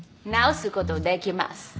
治すことできます。